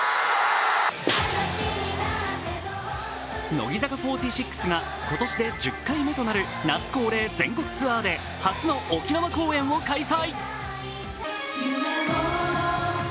乃木坂４６が今年で１０回目となる夏恒例全国ツアーで初の沖縄公演を開催。